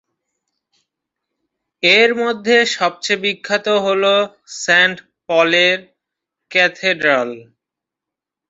এর মধ্যে সবচেয়ে বিখ্যাত হলো সেন্ট পলের ক্যাথেড্রাল।